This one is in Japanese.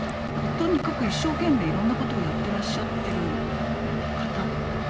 とにかく一生懸命いろんなことをやってらっしゃってる方。